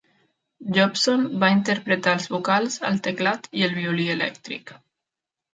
Jobson va interpretar els vocals, el teclat i el violí elèctric.